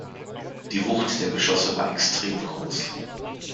Die Wucht der Geschosse war extrem groß.